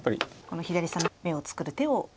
この左下の眼を作る手を。